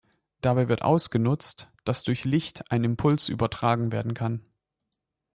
Dabei wird ausgenutzt, dass durch Licht ein Impuls übertragen werden kann.